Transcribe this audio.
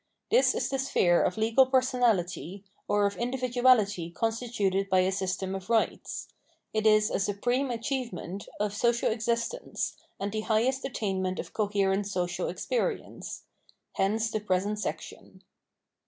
This is the sphere of legal personality, or of individuality consti tuted by a system of Rights. It is a supreme achievement of social existence, and the highest attainment of coherent social experience. Hence the j)resent section.